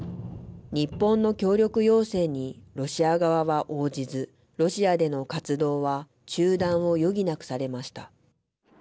日本の協力要請にロシア側は応じず、ロシアでの活動は中断を余儀なくされました。